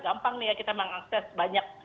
gampang kita mengakses banyak